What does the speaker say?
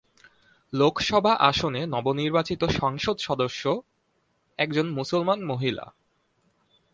লোকসভা আসনে নবনির্বাচিত সাংসদ একজন মুসলমান মহিলা।